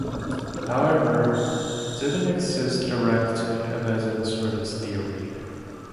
However, didn't exist direct evidence for this theory.